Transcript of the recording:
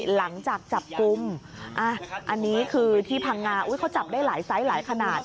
หลังจากจับกลุ่มอันนี้คือที่พังงาเขาจับได้หลายไซส์หลายขนาด